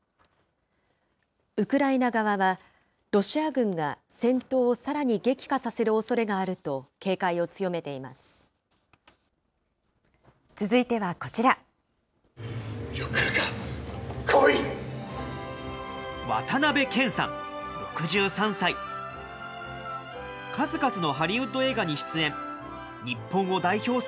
ウクライナ側は、ロシア軍が戦闘をさらに激化させるおそれがあると警戒を強めています。